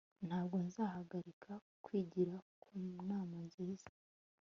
ntabwo nzahagarika kwigira ku nama nziza